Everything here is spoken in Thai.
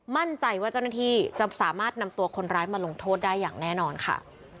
มั่นใจว่าเจ้าหน้าที่จะสามารถนำตัวคนร้ายมาลงโทษได้อย่างแน่นอนค่ะ